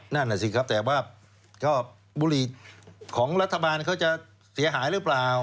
นั่นน่ะสิครับแต่ว่าก็บุหรี่ของรัฐบาลเขาจะเสียหายหรือเปล่า